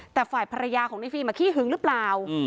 แต่ฝ่ายภรรยาของในฟิล์มขี้หึงหรือเปล่า